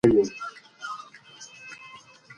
باران د افغانستان په اوږده تاریخ کې ذکر شوي دي.